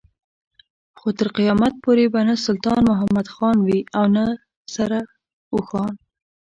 خو تر قيامت پورې به نه سلطان محمد خان وي او نه سره اوښان.